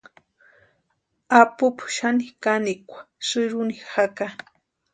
Apupu xani kanikwa sïrhuni jaka.